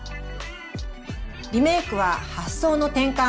リメークは発想の転換！